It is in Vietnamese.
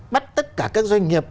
bắt tất cả các doanh nghiệp